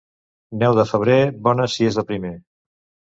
Neu de febrer, bona si és de primer.